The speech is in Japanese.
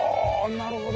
なるほど！